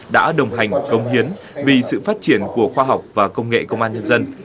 đã đồng hành công hiến vì sự phát triển của khoa học và công nghệ công an nhân dân